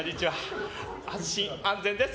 安心安全です。